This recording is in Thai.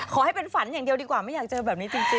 ขอให้เป็นฝันอย่างเดียวดีกว่าไม่อยากเจอแบบนี้จริง